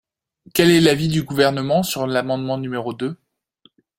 Quel est l’avis du Gouvernement sur l’amendement numéro deux?